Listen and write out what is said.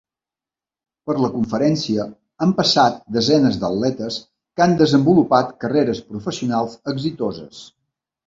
Per la conferència han passat desenes d'atletes que han desenvolupat carreres professionals exitoses.